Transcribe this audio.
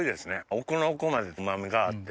奥の奥まで旨みがあって。